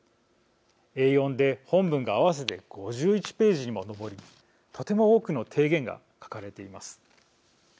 Ａ４で本文が合わせて５１ページにも上りとても多くの提言が書かれています。